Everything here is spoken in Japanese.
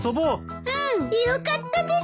うん！よかったですー！